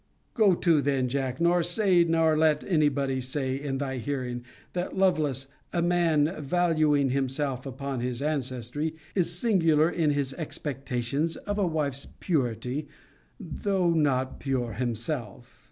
Go to then, Jack; nor say, nor let any body say, in thy hearing, that Lovelace, a man valuing himself upon his ancestry, is singular in his expectations of a wife's purity, though not pure himself.